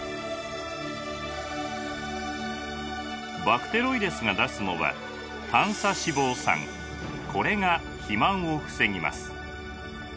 バクテロイデスが出すのはこれが肥満を防ぎます。